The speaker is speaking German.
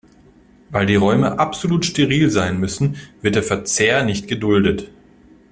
Weil die Räume absolut steril sein müssen, wird der Verzehr nicht geduldet.